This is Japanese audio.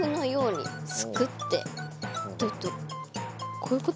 こういうこと？